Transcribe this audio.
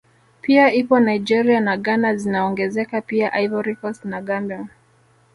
Pia ipo Nigeria na Ghana zinaongezeka pia Ivory Cost na Gambia